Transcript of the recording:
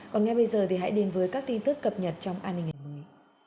còn ngay bây giờ thì hãy đến với các tin tức cập nhật trong an ninh ngày mới